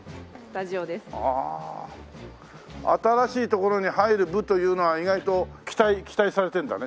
新しい所に入る部というのは意外と期待されてるんだね。